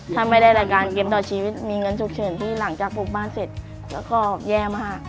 ถ้าไม่ได้รายการเกมต่อชีวิตมีเงินฉุกเฉินที่หลังจากปลูกบ้านเสร็จแล้วก็แย่มาก